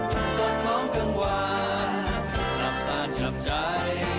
ทรัพย์ของกลางวันทรัพย์สารชับใจ